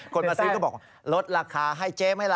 คนมาซื้อก็บอกลดราคาให้เจ๊ไหมล่ะ